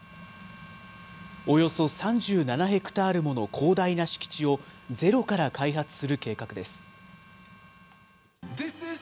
およそ３７ヘクタールもの広大な敷地をゼロから開発する計画です。